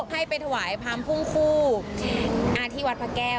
ให้ไปถวายพรามพุ่งคู่ที่วัดพระแก้ว